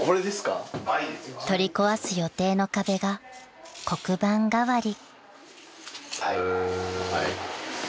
［取り壊す予定の壁が黒板代わり］